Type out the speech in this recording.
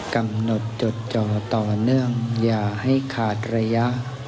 กำหนดจดจอต่อเนื่องอย่าให้ขาดระยะ